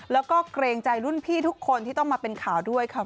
แล้วก็เกรงใจรุ่นพี่ทุกคนที่ต้องมาเป็นข่าวด้วยค่ะ